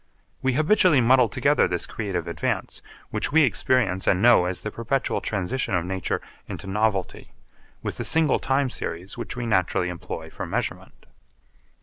We habitually muddle together this creative advance, which we experience and know as the perpetual transition of nature into novelty, with the single time series which we naturally employ for measurement.